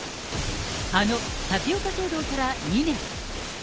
あのタピオカ騒動から２年。